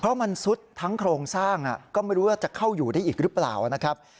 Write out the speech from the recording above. เพราะมันซุดทั้งโครงสร้างก็ไม่รู้ว่าจะเข้าอยู่ได้อีกหรือเปล่านะครับ